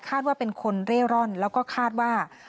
ว่าเป็นคนเร่ร่อนแล้วก็คาดว่า